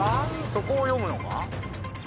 ・そこを読むのか？